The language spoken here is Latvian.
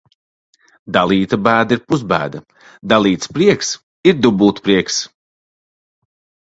Dalīta bēda ir pusbēda, dalīts prieks ir dubultprieks.